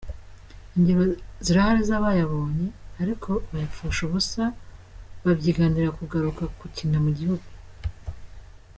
Ingero zirahari z’abayabonye ariko bayapfusha ubusa, babyiganira kugaruka gukina mu gihugu.